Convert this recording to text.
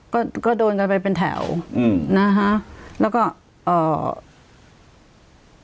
ก็ก็โดนกันไปเป็นแถวอืมนะฮะแล้วก็เอ่อ